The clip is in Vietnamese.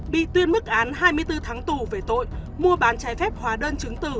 bị tuyên mức án hai mươi bốn tháng tù về tội mua bán trái phép hóa đơn chứng tử